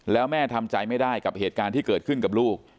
แล้วแม่ทำใจไม่ได้กับเหตุการณ์ที่เกิดขึ้นกับลูก